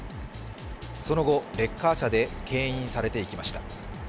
その後、レッカー車でけん引されていきました。